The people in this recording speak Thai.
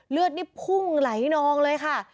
เลือดนี่พุ่งไหลนองเลยค่ะ